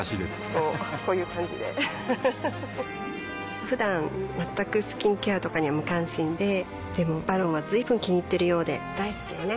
こうこういう感じでうふふふだん全くスキンケアとかに無関心ででも「ＶＡＲＯＮ」は随分気にいっているようで大好きよね